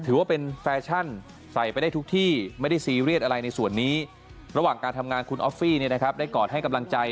ถือว่าเป็นแฟชั่นใส่ไปได้ทุกที่ไม่ได้ซีเรียสอะไรในส่วนนี้ระหว่างการทำงานคุณออฟฟี่ได้กอดให้กำลังใจ